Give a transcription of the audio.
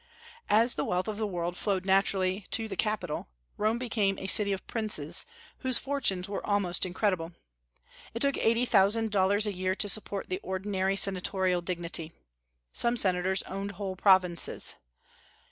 As the wealth of the world flowed naturally to the capital, Rome became a city of princes, whose fortunes were almost incredible. It took eighty thousand dollars a year to support the ordinary senatorial dignity. Some senators owned whole provinces.